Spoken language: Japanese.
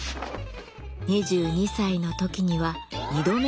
２２歳の時には２度目の上京。